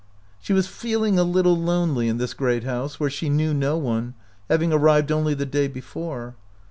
She was feeling a little lonely in this great house, where she knew no one, having arrived only the day before.